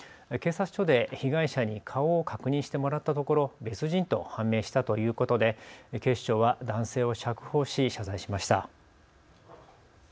警察署で被害者に顔を確認してもらったところ別人と判明したということで警視庁は男性を釈放し謝罪しました。